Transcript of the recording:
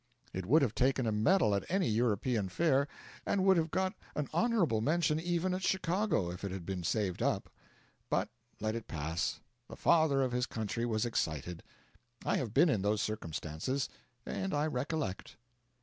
It would have taken a medal at any European fair, and would have got an honourable mention even at Chicago if it had been saved up. But let it pass; the Father of his Country was excited. I have been in those circumstances, and I recollect.